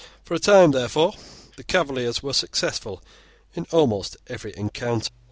For a time, therefore, the Cavaliers were successful in almost every encounter.